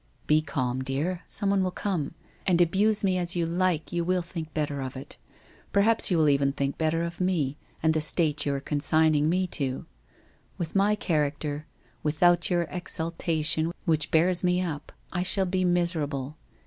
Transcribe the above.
'Be calm, dear, someone will come. And abuse me as WHITE ROSE OF WEARY LEAF 369 you like, you will think better of it. Perhaps you will even think of me, and the state you are consigning me to. With my character, without your exaltation which bears you up, I shall be miserable.